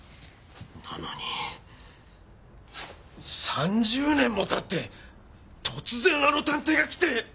なのに３０年も経って突然あの探偵が来て！